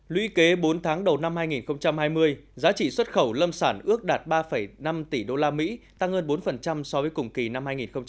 lũy kế bốn tháng đầu năm hai nghìn hai mươi giá trị xuất khẩu lâm sản ước đạt ba năm tỷ usd tăng hơn bốn so với cùng kỳ năm hai nghìn một mươi chín